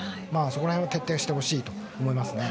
そこら辺を徹底してほしいと思いますね。